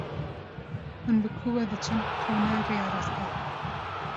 Hûn bi ku ve diçin, ew ne rêya rast e.